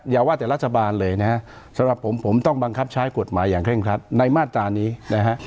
อย่าว่าแต่รัฐบาลเลยนะฮะสำหรับผมผมต้องบังคับใช้กฎหมายอย่างเร่งครัดในมาตรานี้นะฮะ